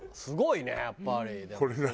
すごいねやっぱりでも。